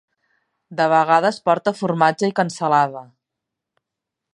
De vegades porta formatge i cansalada.